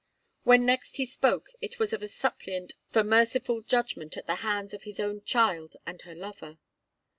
When next he spoke, it was as a suppliant for merciful judgment at the hands of his own child and her lover.